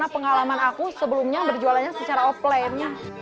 pengalaman aku sebelumnya berjualannya secara offline